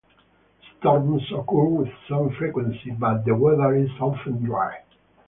Storms occur with some frequency, but the weather is often dry.